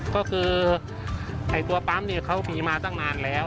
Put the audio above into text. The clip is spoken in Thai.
ก็คือตัวปั๊มเนี่ยเขามีมาตั้งนานแล้ว